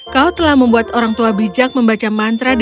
kau telah membuat orang tua bijak membaca mantra di